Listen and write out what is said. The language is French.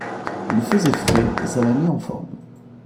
Il faisait frais et ça m’a mis en forme.